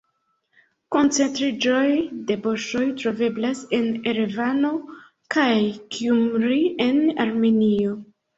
Koncentriĝoj de boŝoj troveblas en Erevano kaj Gjumri en Armenio.